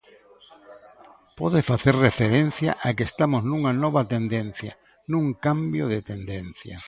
Pode facer referencia a que estamos nunha nova tendencia, nun cambio de tendencia.